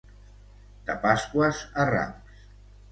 De Pasqües a Rams.